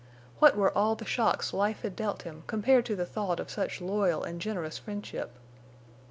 What were all the shocks life had dealt him compared to the thought of such loyal and generous friendship?